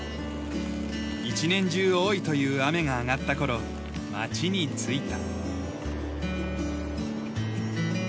一年中多いという雨が上がった頃町に着いた。